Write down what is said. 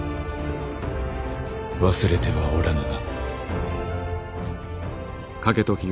忘れてはおらぬな。